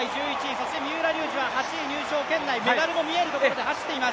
そして三浦龍司は８位入賞圏内メダルも見えるところで走っています。